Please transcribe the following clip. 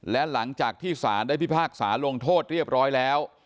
และหลังจากที่สารได้พิพากษาลงโทษเรียบร้อยแล้ว